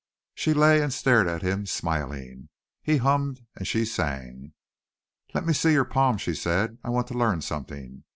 She lay and stared at him, smiling. He hummed and she sang. "Let me see your palm," she said, "I want to learn something."